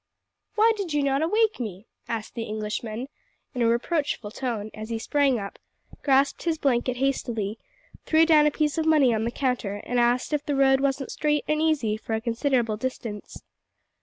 "Why did you not awake me?" asked the Englishman in a reproachful tone, as he sprang up, grasped his blanket hastily, threw down a piece of money on the counter, and asked if the road wasn't straight and easy for a considerable distance.